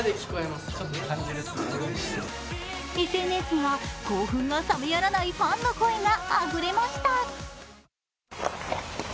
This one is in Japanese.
ＳＮＳには興奮がさめやらないファンの声があふれました。